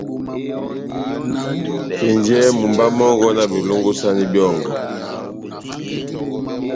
Kenjɛhɛ mumba mɔngɔ, na belongisani byɔ́ngɔ,